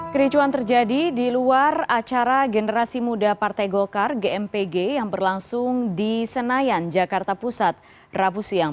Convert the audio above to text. kericuan terjadi di luar acara generasi muda partai golkar gmpg yang berlangsung di senayan jakarta pusat rabu siang